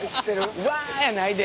「うわ」やないで。